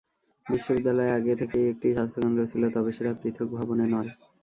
বিশ্ববিদ্যালয়ে আগে থেকেই একটি স্বাস্থ্যকেন্দ্র ছিল, তবে সেটা পৃথক ভবনে নয়।